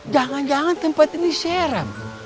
jangan jangan tempat ini serem